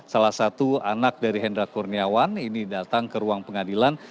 salah satu anak dari hendra kurniawan ini datang ke ruang pengadilan